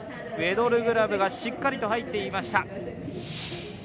ウェドルグラブがしっかりと入っていました。